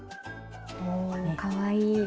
おかわいい！